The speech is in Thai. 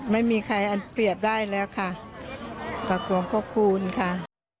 ไม่มีใครอันเปรียบได้แล้วค่ะขอบคุณพระคูณค่ะ